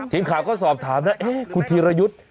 ทีมข่าวก็สอบถามนะคุณธีรยุทธ์